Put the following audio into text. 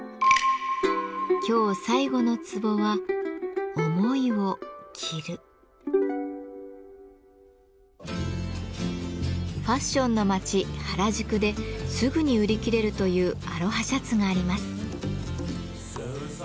今日最後の壺はファッションの街・原宿ですぐに売り切れるというアロハシャツがあります。